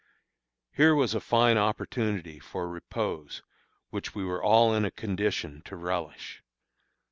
Here was a fine opportunity for repose, which we were all in a condition to relish.